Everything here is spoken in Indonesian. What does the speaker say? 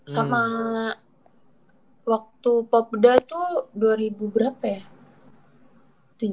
sama waktu popda itu dua ribu berapa ya